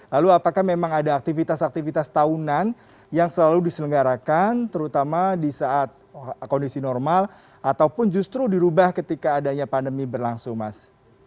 lalu apakah memang ada aktivitas aktivitas tahunan yang selalu diselenggarakan terutama di saat kondisi normal ataupun justru dirubah ketika adanya pandemi berlangsung mas